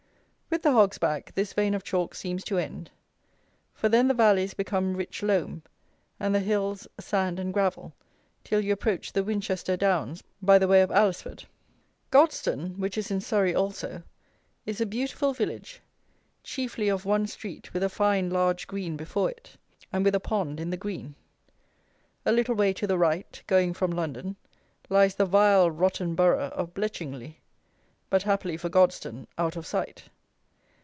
With the Hog's Back this vein of chalk seems to end; for then the valleys become rich loam, and the hills sand and gravel till you approach the Winchester Downs by the way of Alresford. Godstone, which is in Surrey also, is a beautiful village, chiefly of one street with a fine large green before it and with a pond in the green. A little way to the right (going from London) lies the vile rotten Borough of Blechingley; but, happily for Godstone, out of sight.